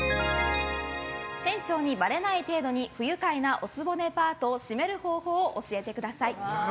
店長にばれない程度に不愉快なお局パートをシメる方法を教えてください。